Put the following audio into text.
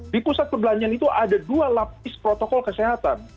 di pusat perbelanjaan itu ada dua lapis protokol kesehatan